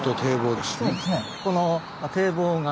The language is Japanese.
この堤防が。